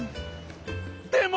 でも！